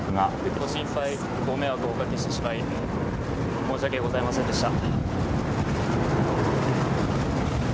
このたびはご心配、ご迷惑をおかけしてしまい申し訳ございませんでした。